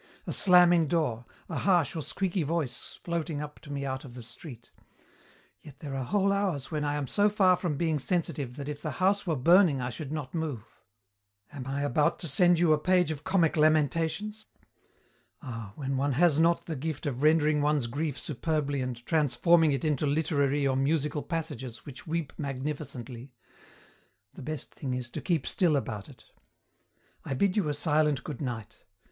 A slamming door, a harsh or squeaky voice floating up to me out of the street.... Yet there are whole hours when I am so far from being sensitive that if the house were burning I should not move. Am I about to send you a page of comic lamentations? Ah, when one has not the gift of rendering one's grief superbly and transforming it into literary or musical passages which weep magnificently, the best thing is to keep still about it. "'I bid you a silent goodnight.